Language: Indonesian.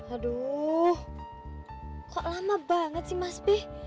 aduh kok lama banget sih mas b